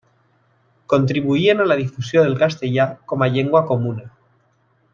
Contribuïen a la difusió del castellà com a llengua comuna.